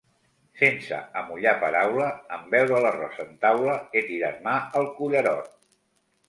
Sense amollar paraula, en veure l'arròs en taula, he tirat mà al cullerot.